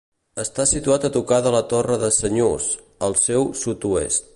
Està situat a tocar de la Torre de Senyús, al seu sud-oest.